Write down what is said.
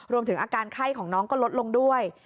รวมถึงอาการไข้ของน้องก็ลดลงด้วย